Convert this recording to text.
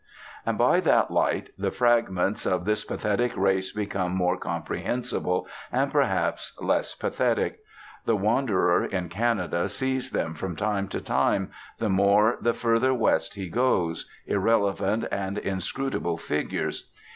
And by that light the fragments of this pathetic race become more comprehensible, and, perhaps, less pathetic. The wanderer in Canada sees them from time to time, the more the further west he goes, irrelevant and inscrutable figures.